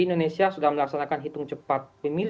indonesia sudah melaksanakan hitung cepat